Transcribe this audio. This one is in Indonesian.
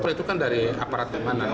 itu kan dari aparat kemana